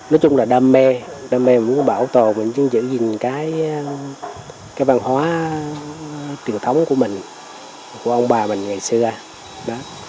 nói chung là đam mê đam mê muốn bảo tồn mình muốn giữ gìn cái văn hóa truyền thống của mình của ông bà mình ngày xưa